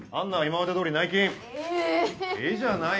「え」じゃないわ。